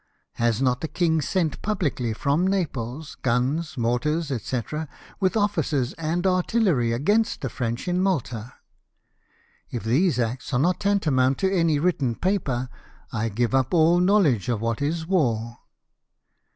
Has not the king sent publicly from Naples guns, mortars, &c., with oflicers and artillery, against the French in Malta ? If these acts are not tantamount to any written paper, I give up all knowledge of Avhat is war."